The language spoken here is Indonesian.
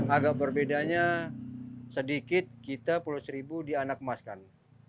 agak berbedanya sedikit kita pulau seribu dianak emaskan